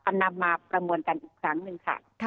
นำมาประมวลกันอีกครั้งหนึ่งค่ะ